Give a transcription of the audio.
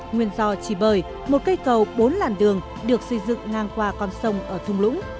nguyên do chỉ bởi một cây cầu bốn làn đường được xây dựng ngang qua con sông ở thùng lũng